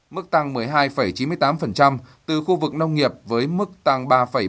mức tăng một mươi hai chín mươi tám từ khu vực nông nghiệp với mức tăng ba bảy mươi